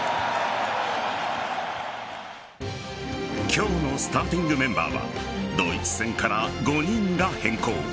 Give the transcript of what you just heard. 今日のスターティングメンバーはドイツ戦から５人が変更。